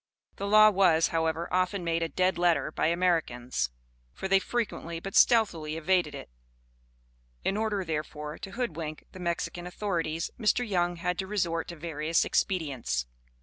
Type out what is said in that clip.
This law was, however, often made a dead letter by Americans; for, they frequently, but stealthily evaded it. In order, therefore, to hoodwink the Mexican authorities, Mr. Young had to resort to various expedients.